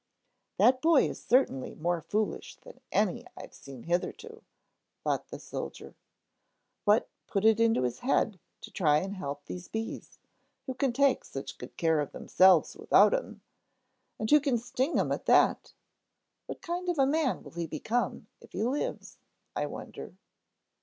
"That boy is certainly more foolish than any I've seen hitherto," thought the soldier. "What put it into his head to try and help these bees, who can take such good care of themselves without him, and who can sting him at that? What kind of a man will he become if he lives, I wonder?"